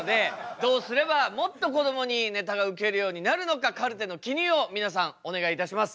どうすればもっとこどもにネタがウケるようになるのかカルテの記入を皆さんお願いいたします。